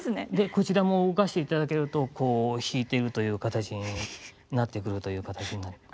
こちらも動かしていただけるとこう弾いてるという形になってくるという形になります。